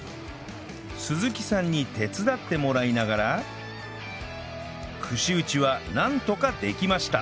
鈴木さんに手伝ってもらいながら串打ちはなんとかできました